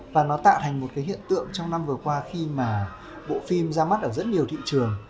và nó tạo thành một cái hiện tượng trong năm vừa qua khi mà bộ phim ra mắt ở rất nhiều thị trường